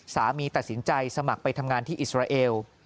สามีตัดสินใจสมัครไปทำงานที่อิสราเอล